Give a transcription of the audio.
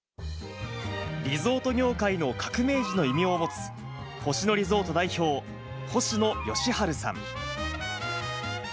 リゾート業界の革命児の異名を持つ、星野リゾート代表、星野佳路さん。